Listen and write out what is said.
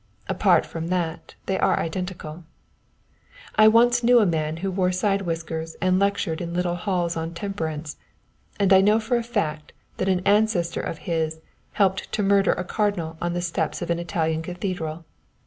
Apart from that they are identical. I once knew a man who wore side whiskers and lectured in little halls on temperance, and I know for a fact that an ancestor of his helped to murder a cardinal on the steps of an Italian cathedral.